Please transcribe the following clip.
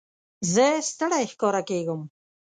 زه ستړی ښکاره کېږم.